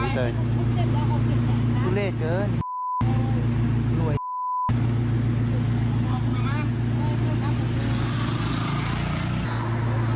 ตกมามา